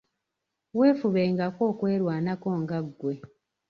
Weefubengako okwerwanako nga ggwe.